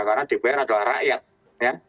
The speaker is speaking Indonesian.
karena dpr adalah rakyat ya